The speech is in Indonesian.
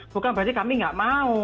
bukan berarti kami nggak mau